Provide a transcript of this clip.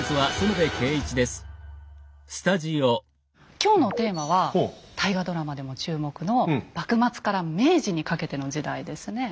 今日のテーマは大河ドラマでも注目の幕末から明治にかけての時代ですね。